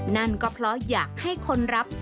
นั่นก็เพราะอยากให้คนรับ